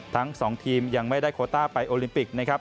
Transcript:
ทั้ง๒ทีมยังไม่ได้โคต้าไปโอลิมปิกนะครับ